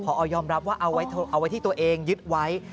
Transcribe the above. พอยอมรับว่าเอาไว้ที่ตัวเองยึดไว้